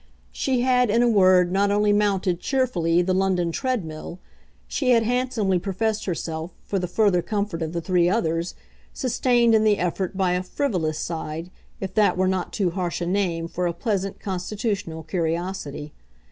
She had in a word not only mounted, cheerfully, the London treadmill she had handsomely professed herself, for the further comfort of the three others, sustained in the effort by a "frivolous side," if that were not too harsh a name for a pleasant constitutional curiosity.